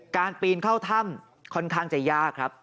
การปีนเข้าถ้ำค่อนข้างจะยากครับ